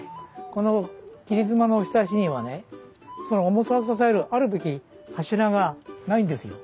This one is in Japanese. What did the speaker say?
この切り妻のひさしにはねその重さを支えるあるべき柱がないんですよ。